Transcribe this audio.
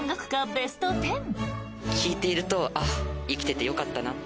ベスト１０。